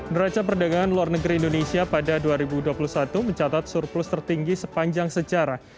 neraca perdagangan luar negeri indonesia pada dua ribu dua puluh satu mencatat surplus tertinggi sepanjang sejarah